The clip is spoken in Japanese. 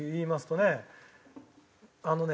あのね